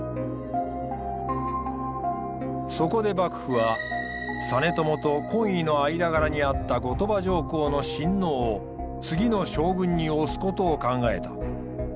そこで幕府は実朝と懇意の間柄にあった後鳥羽上皇の親王を次の将軍に推すことを考えた。